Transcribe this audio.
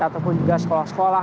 ataupun juga sekolah sekolah